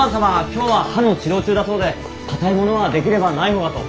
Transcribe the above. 今日は歯の治療中だそうでかたいものはできればない方がと。